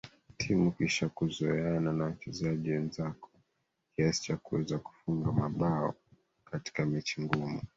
timu kisha kuzoeana na wachezaji wenzako kiasi cha kuweza kufunga mabao katika mechi ngumu